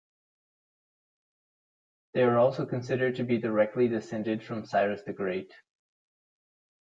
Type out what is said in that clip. They are also considered to be directly descended from Cyrus the Great.